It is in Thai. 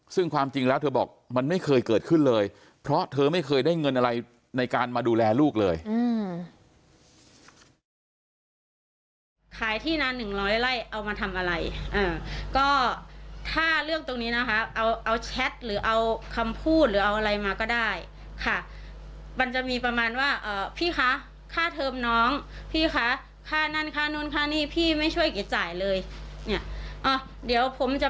ซึ่งความจริงแล้วเธอบอกมันไม่เคยเกิดขึ้นเลยเพราะเธอไม่เคยได้เงินอะไรในการมาดูแลลูกเลย